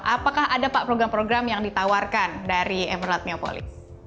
apakah ada pak program program yang ditawarkan dari emerald neopolice